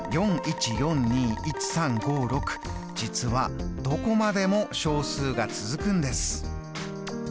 実はどこまでも小数が続くんです。